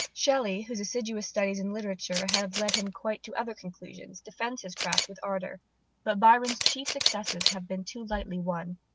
Shelley, whose assiduous studies in literature have led him to quite other conclusions, defends his craft with ardour. But Byron's chief successes have been too lightly won.